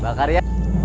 tidak ada yang tau